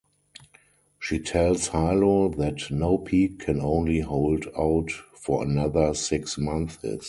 She tells Hilo that No Peak can only hold out for another six months.